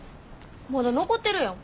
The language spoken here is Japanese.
まだ残ってるやん。